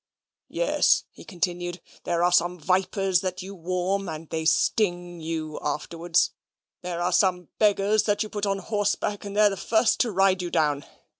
"Yes," he continued, "there are some vipers that you warm, and they sting you afterwards. There are some beggars that you put on horseback, and they're the first to ride you down.